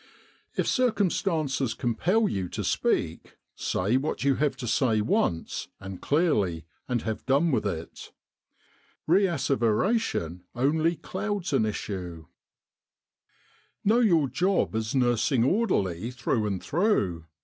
If circumstances compel you to speak, say what you have to say once and clearly, and have done with it. Reasseveration only clouds an issue. With the R.A.M.C. in Egypt "Know your job as nursing orderly through and through.